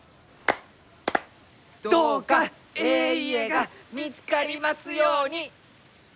どうかえい家が見つかりますように！